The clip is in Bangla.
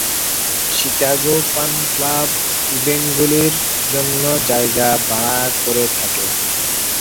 শিকাগো ফান ক্লাব ইভেন্টগুলির জন্য জায়গা ভাড়া করে থাকে।